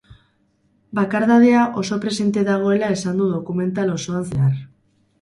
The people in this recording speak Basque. Bakardadea oso presente dagoela esan du dokumental osoan zehar.